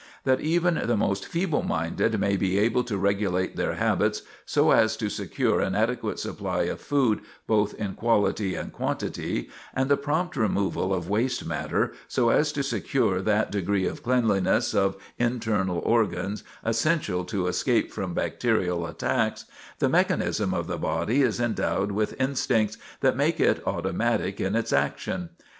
That even the most feeble minded may be able to regulate their habits so as to secure an adequate supply of food both in quality and quantity, and the prompt removal of waste matter, so as to secure that degree of cleanliness of internal organs essential to escape from bacterial attacks, the mechanism of the body is endowed with instincts that make it automatic in its action.